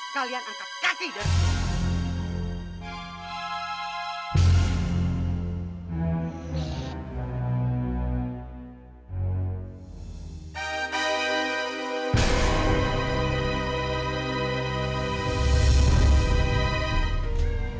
kalian angkat kaki dan